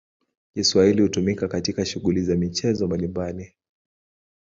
Kiswahili hutumika katika shughuli za michezo mbalimbali.